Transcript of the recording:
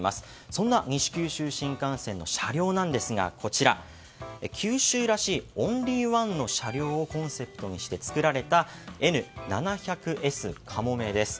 そんな西九州新幹線の車両なんですが九州らしいオンリーワンの車両をコンセプトにして作られたＮ７００Ｓ「かもめ」です。